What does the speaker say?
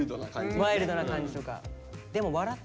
ワイルドな感じとか。